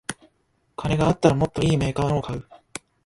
金があったらもっといいメーカーのを買う